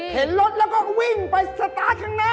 เห็นรถแล้วก็วิ่งไปสตาร์ทข้างหน้า